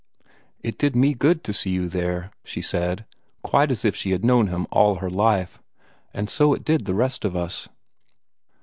"It did me good to see you there," she said, quite as if she had known him all her life. "And so it did the rest of us."